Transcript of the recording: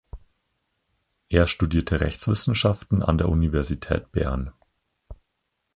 Er studierte Rechtswissenschaft an der Universität Bern.